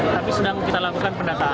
tapi sedang kita lakukan pendataan